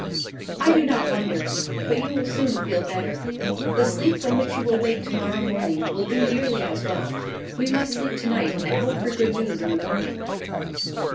"I do not wonder: but you will soon feel better. The sleep from which you will wake to morrow morning will do nearly as well. We must sleep to night, and hope for good news in the morning."